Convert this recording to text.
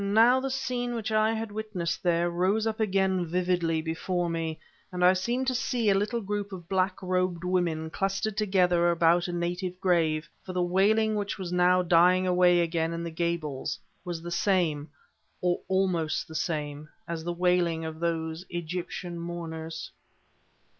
Now, the scene which I had witnessed there rose up again vividly before me, and I seemed to see a little group of black robed women clustered together about a native grave; for the wailing which now was dying away again in the Gables was the same, or almost the same, as the wailing of those Egyptian mourners.